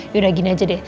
yaudah gini aja deh